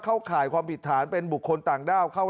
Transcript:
ข่ายความผิดฐานเป็นบุคคลต่างด้าวเข้า